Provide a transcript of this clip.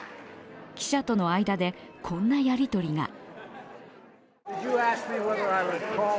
記者との間でこんなやりとりが。